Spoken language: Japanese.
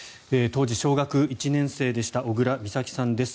当時、小学１年生でした小倉美咲さんです。